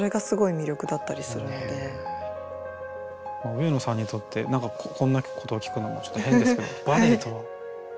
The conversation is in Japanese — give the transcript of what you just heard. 上野さんにとって何かこんなことを聞くのもちょっと変ですけどバレエとは何ですか？